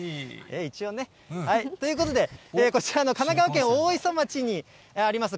一応ね、ということで、こちら神奈川県大磯町にあります